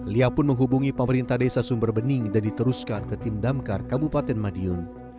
lia pun menghubungi pemerintah desa sumber bening dan diteruskan ke tim damkar kabupaten madiun